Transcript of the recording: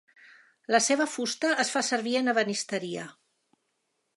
La seva fusta es fa servir en ebenisteria.